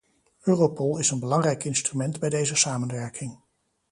Europol is een belangrijk instrument bij deze samenwerking.